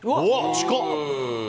近っ！